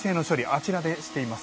あちらでしています。